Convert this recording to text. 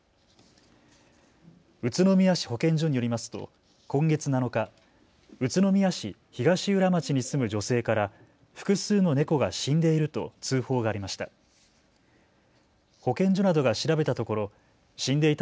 宇都宮市保健所によりますと今月７日、宇都宮市東浦町に住む女性から複数の猫が死んでいると通報がありました。